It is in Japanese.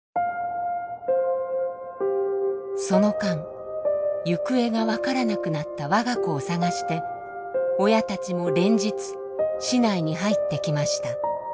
その間行方が分からなくなった我が子を捜して親たちも連日市内に入ってきました。